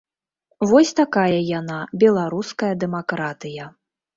Вось такая яна, беларуская дэмакратыя.